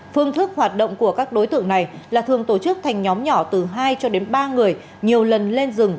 phương thức hoạt động của các đối tượng này là thường tổ chức thành nhóm nhỏ từ hai cho đến ba người nhiều lần lên rừng